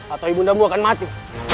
atau ibundamu akan mati